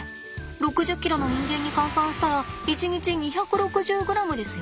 ６０ｋｇの人間に換算したら１日２６０ｇですよ。